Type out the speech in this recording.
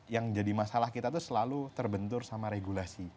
yang jadi masalah kita tuh selalu terbentur sama regulasi